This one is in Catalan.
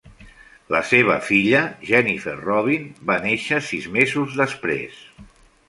La seva filla, Jennifer Robin, va néixer sis mesos després.